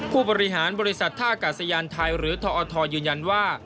ผู้บริหารบริษัทธาฯกาไซยันท์ไทยหรือทธอยุณยันว่า